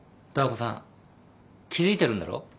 ダー子さん気付いてるんだろ？